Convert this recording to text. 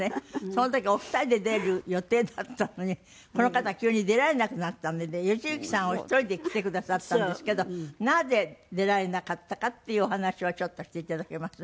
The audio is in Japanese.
その時お二人で出る予定だったのにこの方急に出られなくなったので吉行さんお一人で来てくださったんですけどなぜ出られなかったかっていうお話をちょっとしていただけます？